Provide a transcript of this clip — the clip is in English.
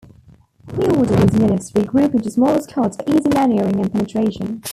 He ordered his units to regroup into smaller squads for easy maneuvering and penetration.